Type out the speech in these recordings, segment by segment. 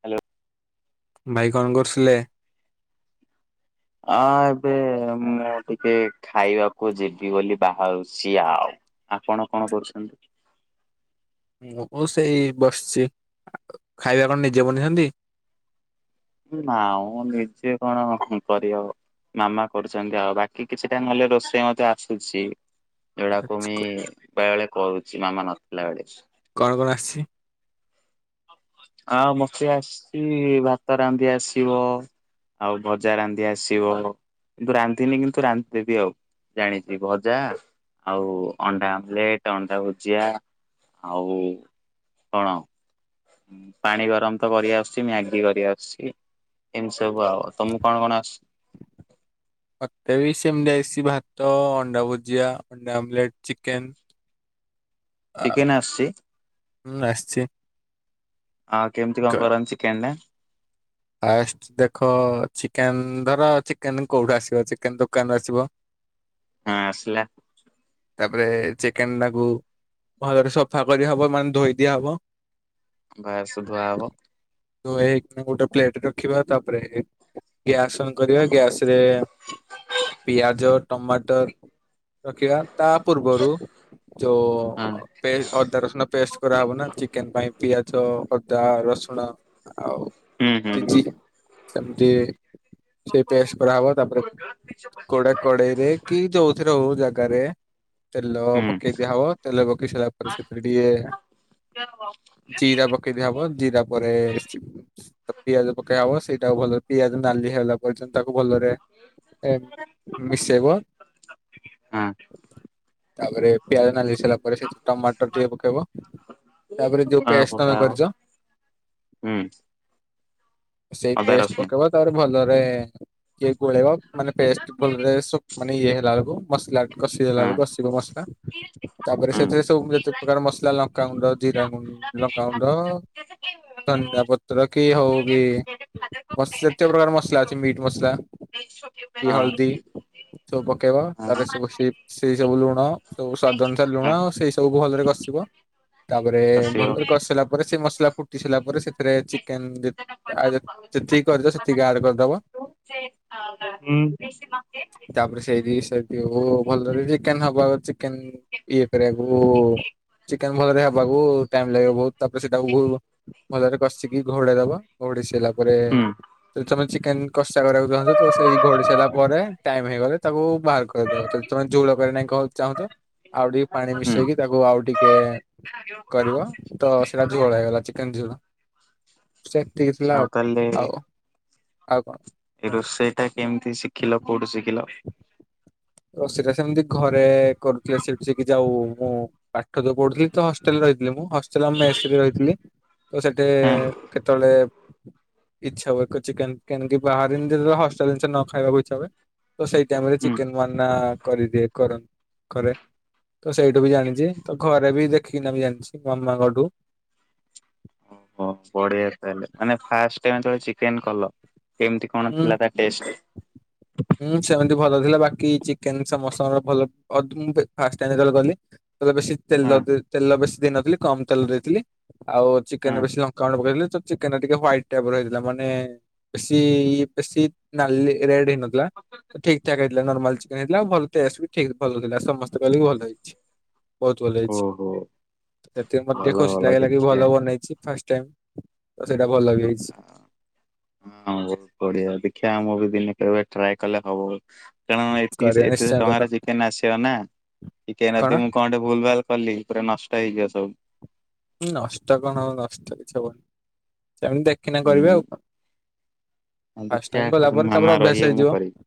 Hello ଭାଇ କଣ କରୁଥିଲେ? ହଁ ଏବେ ମୁଁ ଟିକେ ଖାଇବାକୁ ଯିବି ବୋଲି ବାହାରୁଛି ଆଉ। ଆପଣ କଣ କରୁଛନ୍ତି? ମୁ ସେଇ ବସିଛି ଖାଇବା କଣ ନିଜେ ବନିଛନ୍ତି? ମାଉ ନିଜେ କଣ କରିବ ମାମା କରୁଛନ୍ତି ଆଉ ବାକି କିଛି ଟା ନହେଲେ ରୋଷେଇ ମଧ୍ୟ ଆସୁଛି। ଏଉୁଡାକୁ ମୁ ବେଳେ ବେଳେ କହୁଛ [unintelligible] ମାମା ନଥିଲା ବେଳେ। କଣ କଣ ଆସଛି? ଆଉ ମତେ ଆସିଛି ଭାତ ରାନ୍ଧି ଆସିବ, ଆଉ ଭଜା ରାନ୍ଧି ଆସିବ, କିନ୍ତୁ ରାନ୍ଧିନି କିନ୍ତୁ ରାନ୍ଧିଦେବି ଆଉ ଜାଣିଛି ଭଜା, ଆଉ ଅଣ୍ଡା ଆମଲେଟ, ଅଣ୍ଡା ଭୁଜିଆ, ଆଉ କଣ ଆଉ ପାଣି ଗରମ ତ କରି ଆସୁଛି, ମ୍ୟାଗି କରି ଆସୁଛି, ଏମିତି ସବୁ ଆଉ ତମକୁ କଣ କଣ ଆସୁଛି? ମତେ ବି ସେମିତି ଆଇସି ଭାତ, ଅଣ୍ଡା ଭୁଜିଆ, ଅଣ୍ଡା ଆମଲେଟ, ଚିକେନ, ଚିକେନ ଆସଛି? ହୁଁ ଆସିଛି। ଆଉ କେମିତି କଣ କରନ୍ତି ଚିକେନ ଟା? ଫାଷ୍ଟ ଦେଖ ଚିକେନ ଧର ଚିକେନ କୋଉଠୁ ଆସିବ ଚିକେନ ଦୋକାନରୁ ଆସିବ। ହଁ ଆସିଲ। ତାପରେ ଚିକେନ ଟାକୁ ଭଲରେ ସଫା କରି ହବ ମାନେ ଧୋଇ ଦିଆ ହବ। ବା ସୁଧୁଆ ହବ [unintelligible] ତ ଏ ଗୋଟେ [unintelligible] ପ୍ଲେଟ ରଖିବା ତାପରେ ଗ୍ୟାସ୍ ଅନ୍ କରିବା ଗ୍ୟାସ ରେ ପିଆଜ, ଟମାଟର, ରଖିବା ତା ପୂର୍ବରୁ ହଁ ଯୋଉ ଅଦା ରସୁଣ ପେଷ୍ଟ କରାହବ ନା ଚିକେନ ପାଇଁ ପିଆଜ ମାଚ ଅଦା ରସୁଣ ଆଉ ହୁଁ ହୁଁ ଚିଜି ହ। ସେମିତି ସେଇ ପଆସ୍ କରାହବ ତାପରେ କୋଡା କଡେଇରେ କି ଯୋଉଥିରେ ହଉ ଜାଗା ଘରେ [unintelligible] ତେଲ ହୁଁ ପକେଇ ଦିଆହବ ତେଲ ପକେଇ ସାରିଲା ପରେ ସେଥିରେ ଟିକେ ଜିରା ପକେଇ ଦିଆହବ, ଜିରା ପରେ, ତ ପିଆଜ ପକେଇ ହବ, ସେଇଟାକୁ ଭଲ ପିଆଜ ନାଲି ହେଲା ପର୍ଯ୍ୟନ୍ତ ତାକୁ ଭଲରେ ମିଶେଇବ ହଁ ତାପରେ, ପିଆଜ ନାଲି ହେଇ ସାରିଲା ପରେ ସେଥି ଟମାଟର ଟିକେ ପକେଇବ ତାପରେ ଯୋଉ ହଁ ପେଜ ପକା ତମେ ହବ। କରିଛ ହୁଁ ସେଇ ଅଦା ବେଷ୍ଟ ରସୁଣ ପକେଇବା ତାର ଭଲ। ରେ। କିଏ ଗୋଳେଇବା ମାନେ ପେଷ୍ଟ ଭଲରେବସ ମାନେ ଇଏ ହେଲା ବେକୁ। ମସଲାଗ। କଷି ହଁ ଦେଲାରୁ କଷିବ ମସଲା ତାପରେ ହୁଁ ହଁ। ସେଥିରେ ସବୁ ଯେତେ ପ୍ରକାର ମସଲା ଲଙ୍କ। କାଗୁଣ୍ଡଜିରାଣ୍ଡଡ। ଲଙ୍କା ଗୁଣ୍ଡ । ତନ ଗା ବତ। ରବକେ ହଉକେ ମସଜାତିୟ ମସଲା ଅଛି ମିଟ ମସଲା। କି ହଳଦୀ ସବୁ ପକେଇବା ତରେ ସବୁ ସ। ସେଇ ସବୁ ଲୁଣ ସବୁ ସ୍ଵାଦନ ଅନୁସାର ଲୁଣ ହଁ। ସେଇ ସବୁ ଭଲରେ କଷିବ। ତାପରେ ଆସିବ। ଭଲରେ କରିସାରିଲା ପରେ ସେ ମ। ସେଟା ଫୁଟି ସିଲ ପରେ ସେଥିରେ। ଯେତିକି କରିଦ ସେତିକି ଆଡ କରିଦବ ହୁଁ ତାପରେ ସେଇଠି ସେଠି ଭଲରେ ଚିକେନ ହବ। ଚିକେନ ଇଏ କରିବାକୁ ଚିକେନ ଭଲରେ। ବାବୁ ଟାଇମ ଲାଗିବ ବହୁତ। ତାପରେ ସେଟାିବ। ଭଲରେ କସିି। ଘୋଡା ଦବା ଘୋଡେଇି ଲବ। ତାପରେ ହୁଁ ଏ ବିଚମ ଅଛି। କେମତି କଷ୍ଟା କରିବାକୁ ଚାହନ୍ତୁ ତ ସେଇ ଘଡ଼ି ସାରିଲା ପରେ ଟାଇମ ହେଇଗଲେ ତାକୁ। ବାହାର କରିଦବ ଯଦି ତମେ ଝୋଳ କରିାଇ କ ଚାହୁଁଛ ଆଉ ଟିକେ ପାଣି ହୁଁ ମିଶେଇକି ତାକୁ ଆଉ ଟିକେ କରିବ ତ ସେଇଟା ଝୋଳ ହେଇଗଲା ଚିକେନ ଝୋଳ। ସେତିକି ଥିଲା ଆଉ ଆଉ। ଆଉ କଣ। ଏ କୁହନ୍ତୁ। ରୋଷେଇଟା କେମିତି ଶିଖିଲ କୋଉଠୁ ଶିଖିଲ। ତ ସେଟା ସେମିତି ଘରେ କରୁଥିଲେ ସେଠି ସେକି ଯାଉ ମୁଁ ପାଠ ତ ପଢୁଥିଲି ତ ହଷ୍ଟେଲରେ ରହିଥିଲି ମୁଁ। ହସଷ୍ଟ୍ରେଲ ମୁ ମେସରେ ରହିଥିଲି ତ ସେଠି ହଁ କେତେବେଳେ। ଇ୍ଛା ହଏ ଚିକେନ ବାହାରେ ହେଲ ନ ଖାଇବାକୁ ଇଛା ହୁଏ। ତ ସେଇ ଟାଇମରେ ହୁଁ। ଚିକେନ। ନା କରିଦିଏ କର କରେ। ତ ସେଇଠୁ ବି ଜାଣିଛି ତ ଘରେ ବି ଦେଖ। ଖିଣାବି ଜାଣିଛ ମାମାଙ୍କଠୁ। ଓହୋ ବଢିଆ ତାହଲେ ମାନେ ଫାଷ୍ଟେ ଟାଇମ ଚିକେନ କଲ। କେମିତି କଣ ହୁଁ ଥିଲା ତା ଟେଷ୍ଟ। ହୁଁ ସେମିତି ଭଲ ଥିଲା ବାକି ଚିକେନସ ମସଲା ଭଲ ଫାଷ୍ଟ ଟାଇମ ଯେବେ କଲି ବେଶୀ ତେଲ ହଁ ତେଲ ବେଶୀ। ଦେଇ ନଥିଲି କମ ତେଲ ଦେଇଥିଲି। ଆଉ ଚିକେନ ହଁ ବେଶୀ ଲଙ୍କାଗୁଣ୍ଡ ପକେଇଲି। ଚିକେନ ରେ ଟିକେ ହ୍ୱାଇଟ ଟାଇପର ହେଇଥିଲା ମାନେ ବେଶି ବେଶୀ ନାଲି ରେଡ ହେଲା ଠିକ୍ ଠାକ୍ ହେ ନର୍ମାଲ ଚିକେନ ହେଇଥିଲା ଭଲ ଟେଷ୍ଟ ବି ଠିକ ଭଲ ଥିଲା ସମସ୍ତେ କହିଲେକି ଭଲ ହେଇଛି। ବହୁତ ଭଲ ହେଇଛି ଓହୋ ସେତିକି ମତେ ଟିକେ ଭଲ ଖୁସି ଭଲ ଲାଗିଲା କି ଦେଖିଆ। ଭଲ ବନେଇଛି ଫାଷ୍ଟ ଟେମ୍ପ୍ ତ ସେଇଟା ଭଲ ବି ହେଇଛି। ଗାଁ ମୁଭି ବି ଦିନେ କେବେ ଟ୍ରାଏ କଲେ ହବ। ହୁଁ କାରଣ କରିବା ଏତିକି ଏତେ ନିଶ୍ଚୟ କର ଟଙ୍କାରେ ଚିକେନ ଆସିବ ନା ଚିକେନ ଯଦି ମୁଁ କଣ ଟେ ଭୁଲ ଭାଲ କଲି ପୁରା ନଷ୍ଟ ହେଇଯିବା ସବୁ। ନଷ୍ଟ କଣ ହବ ନଷ୍ଟ କିଛିହବନି। ସେମିତି ଦେଖିନେ କରିବେ ହୁଁ ଆଉ କଣ ଆଉ ଫାଷ୍ଟ ଦେଖିଆ ଟାଇମ୍ ଗଲା କହୁଛନ୍ତି ପରେ ତାପରେ ମାମା ଅଭ୍ୟାସ ରହିବେ ମୁଁ ହେଇଯିବ କରିବି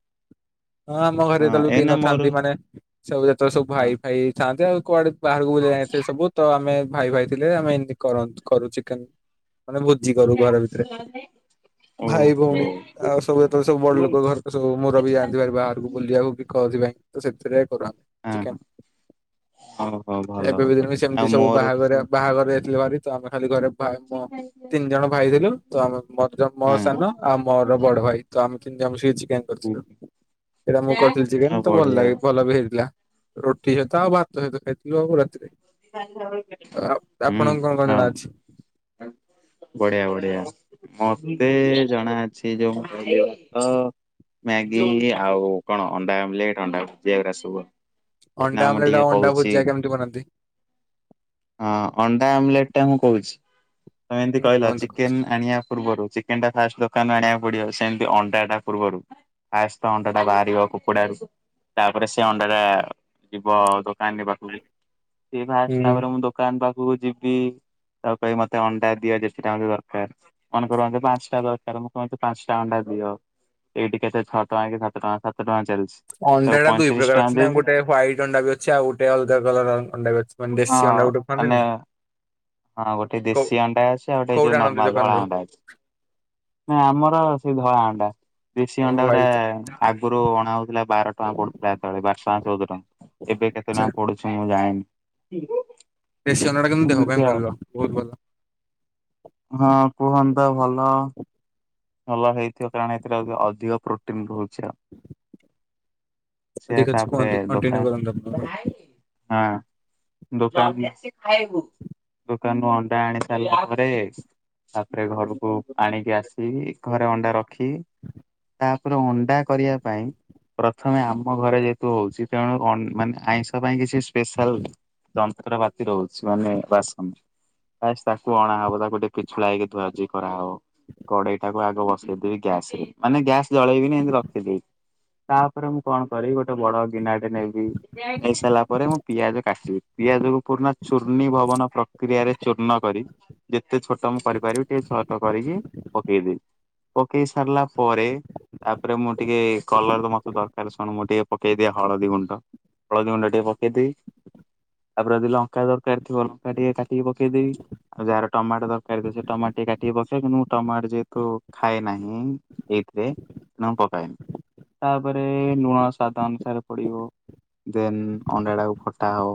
ହଁ ଆମ ଘରେ ଯେତେବେଳେ କେହି ଏଇନା ମୋର ନଥାନ୍ତି ମାନେ ସବୁ ଯେତେବେଳେ ସବୁ ହଁ ଭାଇ ଫାଇ ଥାଆନ୍ତି ଆଉ କୁଆଡେ ବାହାରକୁ ଯାଇ ନଥିବେ ସବୁ ତ ଆମେ ଭାଇ ଭାଇ। ଥିଲେ ଆମେ ଏମତି କର କରୁ ଚିକେନ। ମାନେ ଭୋଜି କରୁ ଘର ଭିତରେ ଭାଇ ଓହୋ ଭଉଣୀ ଆଉ ସବୁ ଯେତେବେଳେ ସବୁ ବଡ ଲୋକ ଘର ସବୁ ମୂରବୀ ବି ଯାଆନ୍ତିହେରି ବାହାରକୁ ବୁଲିବାକୁ ବିକଜ ବ୍ୟାଙ୍କ୍ ତ ସେଥିରେ କରୁ ଆମେ ହଁ ଚିକେନ ଓହୋ ଭଲ ଏବେ ବି ଭଲ ଦିନ ବି ସେମିତି ଆଉ ସବୁ ମୋର ତ ବାହାଘରିଆ ଯାଇଥିଲୁ ହେରି ତା ପରେ ଖାଲି ଘରେ ଭାଇ ମୋ ତିନି ଜଣ ଭାଇ ଥିଲୁ ତ ମୋର ମୋ ହଁ ସାନ ଆଉ ମୋର ବଡ ଭାଇ ତ ଆମେ ତିନି ଜଣ ଚିକେନ ହୁଁ। କରିଥିଲୁ ସେଇଟା ମୁଁ କରିଥିଲି ଆଉ ଚିକେନ ତ ଭଲ ବଢିଆ ଲାଗେ ଭଲ ବି ହେଇଥିଲା। ରୋଟି ସହିତ ଆଉ ଭାତ ସହିତ ଖାଇଥିଲୁ ଆଉ ରାତିରେ ଆ [unintelligible] ହୁଁ ଆପଣଙ୍କୁ କଣ କଣ ଜଣା ଅଛି ହଉ ବଢିଆ ବଢିଆ ମ ମତେ ଜଣା ଅଛି ଯୋଉ ତ ମ୍ୟାଗି ଆଉ କଣ ଅଣ୍ଡା ଆମ୍ୱଲେଟ ଅଣ୍ଡା ଭୂଜିଆ ଏ ଉସବୁ। ଅଣ୍ଡା ଆମ୍ୱଲେଟ ଆଉ ଅଣ୍ଡା ଭୁଜିଆ କେମିତି ବନାନ୍ତି? ହଁ ଅଣ୍ଡା ଆମ୍ୱଲେଟ ଟା ମୁଁ କହୁଛି। ତମେ ଏମିତି ହୁଁ, କହିଲ କୁହନ୍ତୁ କୁହନ୍ତୁ? ଚିକେନ ଆଣିବା ପୂର୍ବରୁ ଚିକେନଟା ଫାଷ୍ଟ ଦୋକାନରୁଆଣିବାକୁ ପଡିବ ସେମିତି ଅଣ୍ଡା ଟା ପୂର୍ବରୁ ଫାଷ୍ଟ ଅଣ୍ଡା ଟା ବାହାରିବ କୁକୁଡାରୁ ତାପରେ ସେ ଅଣ୍ଡା ଟା ଯିବ ଦୋକା ନାନି ପାଖକୁ। ମୁଁ ଫାଷ୍ଟ ହୁଁ। ତାପରେ ମୁଁ ଦୋକାନ କାନୀପାଖକୁ ଯିବିତାକୁ କହିବି ମତେ ଅଣ୍ଡା ଦିଅ ଯେତେ ଟା ମେ ଦରକାର ମେକର ପାଞ୍ଚ ଟା ଦରକାର କ ପାଞ୍ଚଟା ଅଣ୍ଡା ଦିଅ ଏଇଠି କେତେ ଛଅ ଟଙ୍କା କି ସାତ ଟଙ୍କା ସାତ ଟଙ୍କା ଚାଲିଛି। ତାକୁ ଅଣ୍ଡା ଟା ଦୁଇ ପଇଁତିରିଶ ପ୍ରକାର ଟଙ୍କା ଅଛି ନା ଦେବି ଗୋଟେ ହ୍ୱାଇଟ୍ ଅଣ୍ଡା ବି ଅଛି ଆଉ ଗୋଟେ ଅଲଗା କଲର ଅଣ୍ଡା ବି ଅଛି। ମାନେ ଦେଶୀ ହଁ ଅଣ୍ଡା ଗୋଟେ ଆମେ। କୁହନ୍ତିନି ହଁ ଗୋଟେ କୋଉ ଦେଶୀ ଅଣ୍ଡା ଅଛି ଆଉ ଗୋଟେ ଏଇ ଯୋଉ କୋଉଟା ଆଣନ୍ତି ନର୍ମାଲ ଧଳା ଦୋକାନରୁ? ଅଣ୍ଡା ଅଛି ନା ଆମର ସେ ଧଳା ଅଣ୍ଡା। [unintelligible] ଦେଶି ଓ ଅଣ୍ତା ଗୁରା ହ୍ୱାଇଟ ଆଗରୁ ଅଣା ହଉଥିଲା ବାର ଟଙ୍କା ପଡ଼ୁଥିଲା ଏତେବେଳେ ବାର ଟଙ୍କା ଚଉଦ ଟଙ୍କା ଏବେ କେତେ ଆଚ୍ଛା ଟଙ୍କା ପଡ଼ୁଛିୁ ମୁଁ ଜାନି। [unintelligible] ଦେଶି ଅଣ୍ଡା ଟା କିନ୍ତୁ ଦେହ ପାଇଁ। ଭଲ ବହୁତ ଭଲ। ହଁ କୁହନ୍ତି ତ ଭଲ। ଭଲ ହେଇଥିବ କାରଣ ଏଥିରେ ଅଧିକ ପ୍ରୋଟିନ ରହୁଛି। ଆଉ। [inaudible] ସେ ଠିକ ଅଛି ତାପରେ କୁହନ୍ତୁ କଣ୍ଟିନିଉ ଦୋକାନ କରନ୍ତୁ ଆପଣ। ଦୋକାନରୁୁ ଅଣ୍ଡା ଆଣି ସାରିଲା ପରେ ତାପରେ ଘରକୁ ଆଣିକି ଆସି। ଏଇ ଘରେ ଅଣ୍ଡା ରଖି। ଖି ତା। ଧର ଅଣ୍ଡା କରିବା ପାଇଁ ପ୍ରଥମେ ଆମ ଘରେ ଯେହେତୁ ହଉଛି । ତେଣୁ ମାନେ ଆଇଁଷ ପାଇଁ କିଛି ସ୍ପେଶାଲ ଯନ୍ତ୍ରପତି ରହୁଛି । ମାନେ ବାସନ ତାକୁ ଅଣା ହବ ତାକୁ ଟିକେ କିଛୁଳା ହେଇକି ଧୁ୍ଆଧୁଇ କରାହବ। କଡ଼େଇ ଟାକୁ ଆଗ ବସେଇଦବି ଗ୍ୟାସ ରେ ମାନେ ଗ୍ୟ ସ । ଜଳେଇବନି ଏମିତି ରଖିଦେବି। ତାପରେ ମୁଁ କଣ କରିବି ଗୋଟେ ବଡ ଗିନାଟେ ନେବି ନେଇ ସାରିଲା ପରେ ମୁଁ ପିଆଜ କାଟିବି ପିଆଜକୁ ପୂଣ୍ନ ଚୂର୍ଣ୍ଣ ଭବନ ପ୍ରକ୍ରିୟାରେ ଚୂର୍ଣ୍ଣ କରି ଯେ । ଏତେ ଛୋଟ ମୁଁ କରିପାରିବି ଟିକେ ଛୋଟ କରିକି। ପକେଇ ସାରିଲା। ପରେ ତାପରେ ମୁଁ ଟିକେ କଂଲର୍ ମତେ ଦରକାର ଶୁଣୁ ମୁଁ ଟିକେ- ପକେଇଦିଏ ହଳଦୀ ଗୁଣ୍ଡ ହଳଦୀ ଗୁଣ୍ଡ ଟିକେ ପକେଇଦିବି ତାପରେ ଯଦି ଲଙ୍କା ଦରକାର ଥିବ ଲଙ୍କା ଟିକେ କାଟିକି ପକେଇଦେବି ଆଉ ଯାହାର ଟମାଟ ଦରକାର ଥିବ ସେ ଟମାଟ ଟିକେ କାଟିକି ପକାଏ କିନ୍ତୁ ମୁଁ- ଟମାଟ୍ ଯେହେତୁ ଖାଏ ନାହିଁ। ଏଇଥିରେ ନା ମୁଁ ପକାଏନି ତାପରେ ଲୁଣ ସ୍ବାଦ ଅନୁସାରେ ପଡି଼ବ । ଦେନ୍ ଅଣ୍ଡା ଟାକୁ ଫଟା ହବ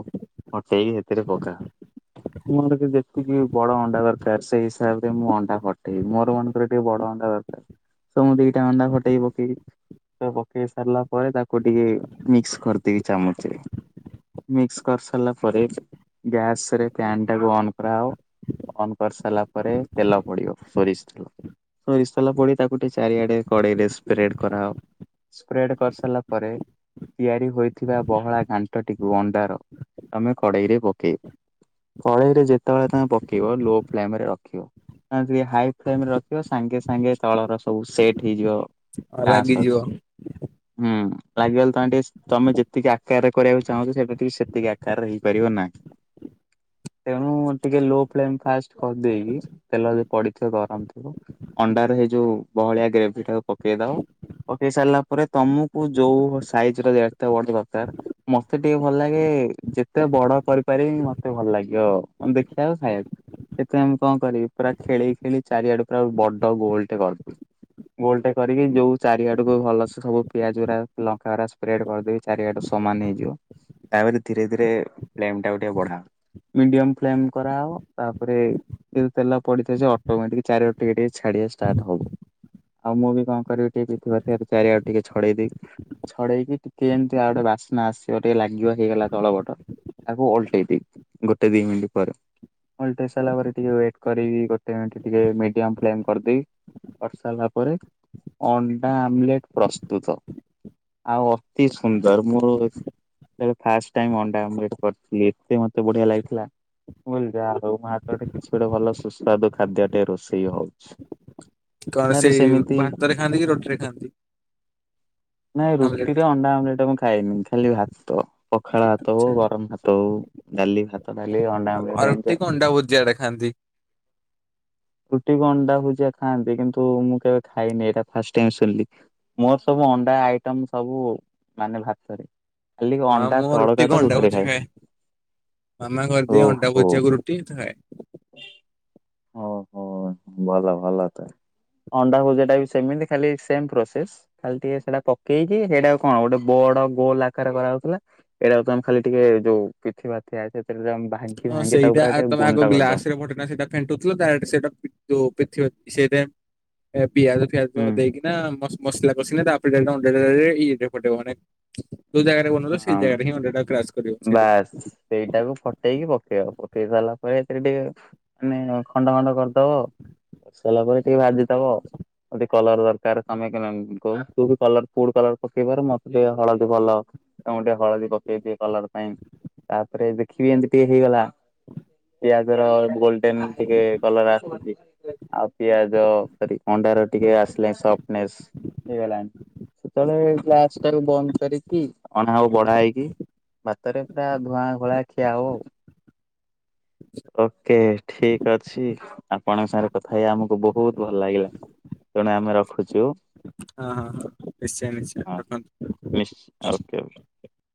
ଫଟେଇକି ସେଥିରେ ପକା ହ ମୁଁ ଯେତିକି ବଡ ଅଣ୍ଡା ଦରକାର ସେଇ ହିସାବରେ ମୁଁ ଅଣ୍ଡା ଫଟା- ମୋର ମନ ଙ୍କର ଟିକେ ବଡ ଅଣ୍ଡା ଦରକାର ତ ମୁଁ ଦିଟା ଅଣ୍ଡା ଫଟେଇ ପକେଇବି ପକେଇ ସାରିଲା। ପରେ ତାକୁ ଟିକେ ମିକ୍ସ କରିଦେଇବି ଚାମଚ୍ ରେ ମିକ୍ସ କରିସାରିଲା ପରେ ଗ୍ୟାସ ରେ ଫ୍ୟାନ ଟାକୁ ଅନ୍ କରାହବ ଅନ୍ କରିସାରିଲା ପରେ ତେଲ ପଡି଼ବ। ସୋରିଷ୍ ତେଲ ସୋରିଷ ତେଲ ପଡି ତାକୁ ଟିକେ ଚାରିଆଡେ କଡେଇ ରେ ସ୍ପ୍ରେଡ କରାଅ ସ୍ପ୍ରେଡ଼୍ କରିସାରିଲା ପରେ ତିଆରି ହୋଇଥିବା ବହଳା ଘାଂଟଟିକୁ ତମେ ଅଣ୍ଡାର କଡ଼େଇରେ ପକେଇବ କଡ଼େଇରେ ଯେତେବେଳେ ତମେ ପକେଇବ ଲୋ ଫ୍ଲେମ୍ ରେ ରଖିବ ହାଇ ଫ୍ଲେମ ରେ ରଖିବ ସାଙ୍ଗେ ସାଙ୍ଗେ ତଳର ସବୁ ସେଟ୍ ହେଇଯିବ। ଆଉ ଲାଗିଯିବ ହୁଁ। ଲାଗିଗଲେ ତମେ ଟିକେ ତମେ ଯେତିକି ଆକାରରେ କରିବାକୁ ଚାହୁଁଛ ସେମିତି ସେତିକି ଆକାରରେ ହେଇପାରିବ ନାହିଁ। ତେଣୁ ଟିକେ ଲୋ ଫ୍ଲେ ଫାଷ୍ଟ କରିଦେଇକି ତେଲ ପଡିଥିବ ଗରମ ଥିବ ଅଣ୍ଡାରେ ।ହେଯଉ ଯୋଉ ବହଳିଆ ଗ୍ରେଭି ଟାକୁ ପକେଇ ଦବ। ପକେଇ ସାରିଲା ପରେ ତମକୁ ଯୋଉ ସାଇଜ୍ ଯେତେ ବଡ଼ ଦରକାର ମତେ ଟିକେ ଭଲ ଲାଗେ ଯେତେ ବଡ କରିପାରିବି ମତେ ଭଲ ଲାଗିବ ଦେଖିବାକୁ ଖାଇବାକୁ ସେଥିପାଇଁ ମୁଁ କଣ କରିବି ପୁରା। ଖେଳି ଖେଳି ଚାରିଆଡୁ ପୁରା ବଡ଼ ଗୋଲଟେ କରିଦବୁ ଗୋଲଟେ କରିକି ଯୋଉ ଚାରିଆଡ଼କୁ ଭଲସେ ସବୁ ପିଆଜ ଗୁରା ଲଙ୍କାଗୁରା ସ୍ପ୍ରେଡ କରି ଦେଇକି ଚାରିଆଡୁ ସମାନ ହେଇଯିବ । ତାପରେ ଧୀରେ ଧୀରେ ଫ୍ଲେମ୍ ଟିକୁ ବଢ଼ା ମିଡି଼ୟମ୍ ଫ୍ଲେମ୍ କରା ହବ ତାପରେ ତେଲ- ପଡ଼ିଥିବ ସେ ଅଟୋମେଟିକ୍ ଚାରିଆଡ଼େ ଟିକେ ଟିକେ ଛାଡ଼ିବା ଷ୍ଟାର୍ଟ ହବ । ଆଉ ମୁଁ ବି କଣ କରେକି ଟିକେ ଚାରିଆଡ଼େ ଟିକେ ଛଡ଼େଇଦି ଛଡ଼େଇକି ଟିକେ ଏମିତି ଆଉ ଗୋଟେ ବାସ୍ନା ଆସିବ ଟିକେ ଲାଗିବ ହେଇଗଲା ତଳବଟର ତାକୁ ଓଲଟେଇ ଦେବି। ଗୋଟେ ଦୁଇ ମିନିଟ୍ ପରେ ଓଲଟେଇ ସାରିଲା ପରେ ଟିକେ ୱେଟ୍। କରିକି ଗୋଟେ ଟିକେ ମିଡି଼ୟମ୍ ଫ୍ଲେମ୍ କରିଦେବି। କରି ସାରିଲା ପରେ ଅଣ୍ଡା ଆମଲେଟ ପ୍ରସ୍ତୁତ। ଆଉ ଅତି ସୁନ୍ଦର ମୋର ଫାସ୍ଟ ଅଣ୍ଡା ଆବଲେଟ୍ କରିଥିଲି ଏତେ ମତେ ବଢିଆ ଲାଗିଥିଲା ମୁଁ କହିଲି ଯହା ହୋଉ ମୋ ହାତରେ କିଛି ଗୋଟେ ଭଲ- ସୁସ୍ୱାଦୁ ଖାଦ୍ୟ ଟେ ରୋଷେଇ ହଉଛି। କଣ ତାରେ ସେଇ ସେମିତି ଭାତରେ ଖାଆନ୍ତି କି ରୁଟି ରେ ଖାଆନ୍ତି। ନାଇଁ ଆମଲେଟ ରୁଟିରେ ଅଣ୍ଡା ଆବଲେଟ୍ ମୁଁ ଖାଏ। ଖାଇନି ଖାଲି ଭାତ ପଖାଳ ଭାତ ହଉ ଗରମ ଭାତ ହଉ ଡାଲି ଭାତ ଖାଏ। ଆଉ ରୁଟି କୁ ଅଣ୍ଡା ଭୁଜିଆରେ ଖାନ୍ତି। ରୁଟିକୁ ଅଣ୍ଡା ହୁଜିଆ ଖାଆନ୍ତି କିନ୍ତୁ ମୁଁ କେବେ ଖାଇନି ଏଇଟା ଫାଷ୍ଟ ଟାଇମ୍ ଶୁଣିଲି ମୋର ସବୁ ଅଣ୍ଡା ଆଇଟମ ସବୁ ମାନେ ଭାତରେ। ଖାଲି ହଁ ଅଣ୍ଡା ମୁଁ ତଡକା ରୁଟି କୁ ଟା ଅଣ୍ଡା ରୁଟିରେ ଭୋଜିାଆ ଖାଏ ମାମା କରିଦିଏ ଅଣ୍ଡା ଓହୋ। ଭୋଜିାଆକୁ ରୁଟି ତ ଖାଏ। ହଉ ଓ ଭଲ ଭଲ ତ ଅଣ୍ଡା ଭଜା ଟା ବି ସେମିତି ଖାଲି ସେମ ପ୍ରୋସେସ ଖାଲି ଟିକେ ସେଇଟା ପକେଇକି ସେଇଟା କଣ ଗୋଟେ ବଡ ଗୋଲ ଆକାରରେ କରାାଉଥିଲା ଏଇଟାକୁ ତମେ ଖାଲି ଟିକେ ଯୋଉ ପିଠ ବାଆ ହଁ ସେଇଟା ତମେ ଆଗ କରିଦବ। ଗ୍ଲାସ ରେ ଭଟେନା ସେଇଟା ଫେଣ୍ଟୁଥିଲ ତ। ସେଇଟା [unintelligible] ସେ ଏ ପିଆଜ ଫିଆଜ ହୁଁ ଦେଇକିନା ମସ ମସଲା କସିନା ତା ପରେ ଯାଇକି ଅଣ୍ଡାଟି ଫଟିବ ଅନ। ଯୋଉ ଜାଗାରେ ବନ ସେ ହଁ ଜାଗାରେ ହିଁ ଅଣ୍ତାଟାକୁ କ୍ରାସ୍ କରିବ ସେଇଠି ବାସ୍ ସେଇଟାକୁ ଫଟେ ହେଇିକି ପକେଇବ ପକେଇ ସାରିଲା ପରେ ସେଥିରେ ଟିକେ ମାନେ ଖଣ୍ଡ ଖଣ୍ଡ କରିଦବ ଆଉ ପରି ସାରିଲା ପରେ ଟିକେ ଭାଜିଦବ ଟେ କଲର ଦରକାର ତମେ କ କରୁ କଲର ପକେଇବାର ମତେ ଟିକେ ହଳଦୀ ଭଲ ତ ଟିକେ ହଳଦୀ ପକେଇ ଦିଏ। କଲର ପାଇଁ ତାପରେ ଦେଖିବି ଏମତି ଟିକେ ହେଇଗଲା ପିଆଜ ର ଗୋଲଡେନ ଟିକେ କଲର ଆସଛି ଆଉ ପିଆଜ ଅଣ୍ଡା ର ଟିକେ ଆସିଲାଣିନ ହେଇଗଣି ସେତେବେଳେ ଗ ଟା ବନ୍ଦ କରିକି ଅ ବଢା ହେଇକି ଭାତରେ ପୁରା ଧୂଆଁ ଘୋଳା ଖିଆ ହବ ଆଉ। ଓକେ ଠିକ ଅଛି ଆପଣଙ୍କ ସାଙ୍ଗରେ କଥା ହେଇ ଆମକୁ ବହୁତ ଭଲ ଲାଗିଲା ତେଣୁ ଆମେ ରଖୁଛୁ। ହଁ ହଁ ହ ନିଶ୍ଚୟ ନିଶ୍ଚୟ ହଁ ରଖନ୍ତୁ। ନିଶ୍ଚ ଓକେ।